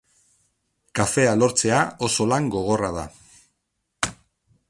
Kafea lortzea oso lan gogorra da.